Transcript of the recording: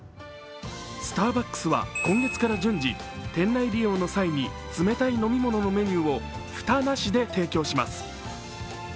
スターバックスは今月から順次店内利用の際に冷たい飲み物のメニューを蓋なしで提供します。